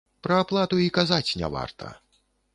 Пра аплату й казаць не варта.